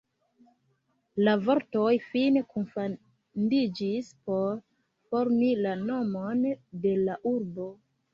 La vortoj fine kunfandiĝis por formi la nomon de la urbo.